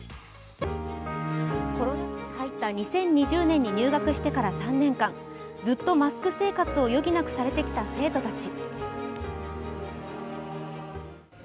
コロナ禍に入った２０２０年に入学してから３年間、ずっとマスク生活を余儀なくされてきた生徒たち。